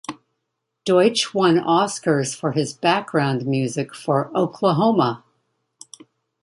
Deutsch won Oscars for his background music for Oklahoma!